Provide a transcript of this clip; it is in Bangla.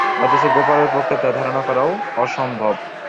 অথচ গোপালের পক্ষে তা ধারণা করাও অসম্ভব।